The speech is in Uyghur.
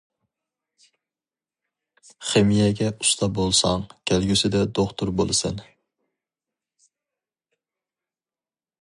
خىمىيەگە ئۇستا بولساڭ كەلگۈسىدە دوختۇر بولىسەن.